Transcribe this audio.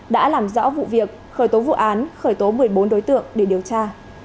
đã làm rõ vụ việc khởi tố vụ án khởi tố một mươi bốn đối tượng để điều tra